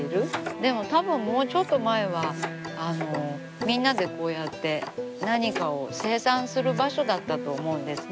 でもたぶんもうちょっと前はみんなでこうやって何かを生産する場所だったと思うんですね。